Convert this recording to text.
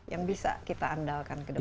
yang bisa kita andalkan ke depan